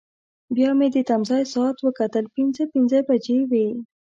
بیا مې د تمځای ساعت وکتل، پنځه پنځه بجې وې.